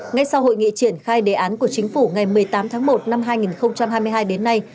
ngay sau hội nghị triển khai đề án của chính phủ ngày một mươi tám tháng một năm hai nghìn hai mươi hai đến nay